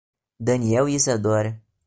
Daniel e Isadora